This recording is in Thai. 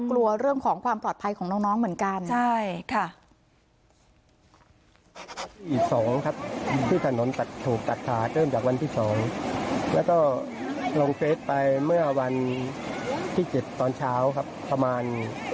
กลัวเรื่องของความปลอดภัยของน้องเหมือนกัน